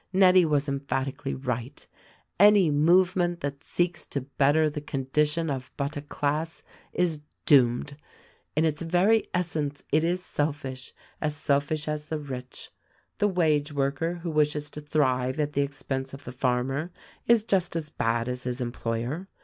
Nettie was emphatically right: Any movement that seeks to better the condition of but a class is doomed. In its very essence it is selfish — as selfish as the rich. The wage worker who wishes to thrive at the ex pense of the farmer is just as bad as his employer.